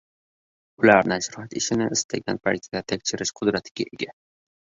Ular nashriyot ishini istagan paytida tekshirish qudratiga ega.